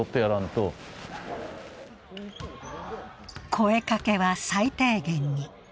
声かけは最低限に。